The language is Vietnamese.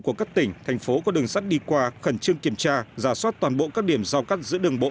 của các tỉnh thành phố có đường sắt đi qua khẩn trương kiểm tra giả soát toàn bộ các điểm giao cắt giữa đường bộ